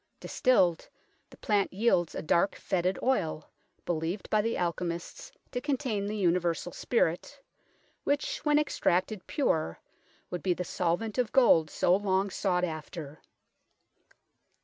Distilled, the plant yields a dark, foetid oil, believed by the alchemists to contain the universal spirit, which, when ex tracted pure, would be the solvent of gold so long sought after.